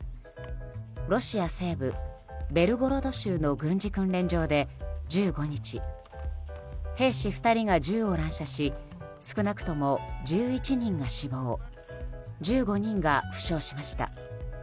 ロシア西部ベルゴロド州の軍事訓練場で１５日兵士２人が銃を乱射し少なくとも１１人が死亡１５人が負傷しました。